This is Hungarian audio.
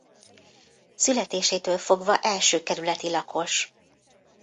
Születésétől fogva első kerületi lakos.